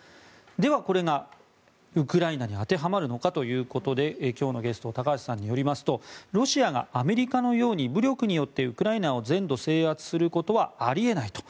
では、これがウクライナに当てはまるのかということで今日のゲスト高橋さんによりますとロシアがアメリカのように武力によってウクライナを全土制圧することはあり得ないと。